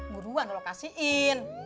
buruan lu kasihin